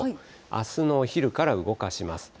あすのお昼から動かします。